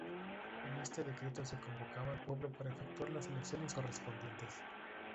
En este decreto se convocaba al pueblo para efectuar las elecciones correspondientes.